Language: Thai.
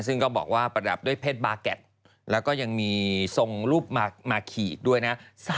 ซึ่งก็บอกว่าประดับด้วยเพชรบาแกดแล้วก็ยังมีทรงรูปมาขีดด้วยนะ